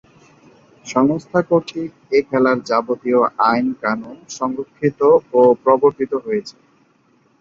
সংস্থা কর্তৃক এ খেলার যাবতীয় আইন-কানুন সংরক্ষিত ও প্রবর্তিত হয়েছে।